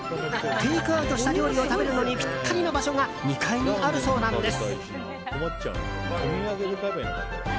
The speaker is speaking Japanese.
テイクアウトした料理を食べるのにぴったりの場所が２階にあるそうなんです。